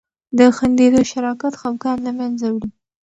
د خندیدو شراکت خفګان له منځه وړي.